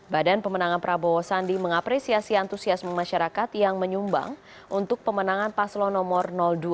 badan pemenangan prabowo sandi mengapresiasi antusiasme masyarakat yang menyumbang untuk pemenangan paslo nomor dua